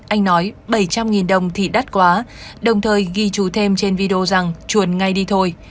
anh nói bảy trăm linh đồng thì đắt quá đồng thời ghi chú thêm trên video rằng chuồn ngay đi thôi